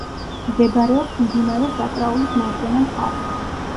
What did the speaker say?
მდებარეობს მდინარე საკრაულის მარჯვენა მხარეს.